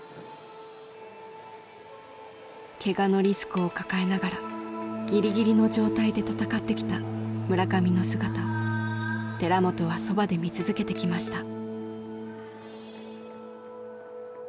ケガのリスクを抱えながらギリギリの状態で戦ってきた村上の姿を寺本はそばで見続けてきました。